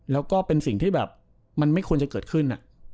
แล้วก็เป็นสิ่งที่แบบมันไม่ควรจะเกิดขึ้น